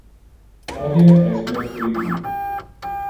Hodie es mercuridi.